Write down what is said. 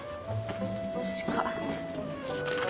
確か。